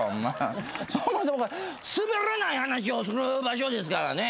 そもそもすべらない話をする場所ですからね。